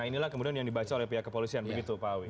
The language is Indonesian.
nah inilah kemudian yang dibaca oleh pihak kepolisian begitu pak awi